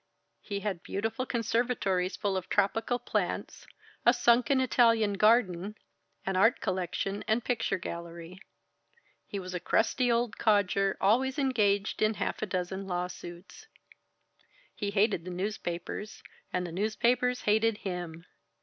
He had beautiful conservatories full of tropical plants, a sunken Italian garden, an art collection and picture gallery. He was a crusty old codger always engaged in half a dozen lawsuits. He hated the newspapers, and the newspapers hated him.